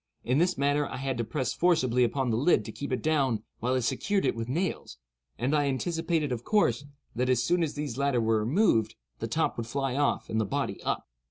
In this manner I had to press forcibly upon the lid to keep it down while I secured it with nails; and I anticipated, of course, that as soon as these latter were removed, the top would fly off and the body up.